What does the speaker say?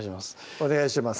お願いします